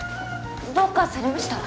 どうかされました？